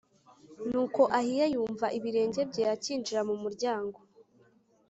Nuko Ahiya yumva ibirenge bye acyinjira mu muryango